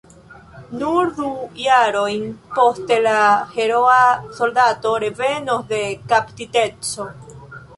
Nur du jarojn poste la heroa soldato revenos de kaptiteco.